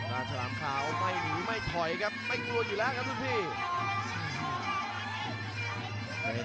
ฉลามขาวไม่หนีไม่ถอยครับไม่กลัวอยู่แล้วครับทุกที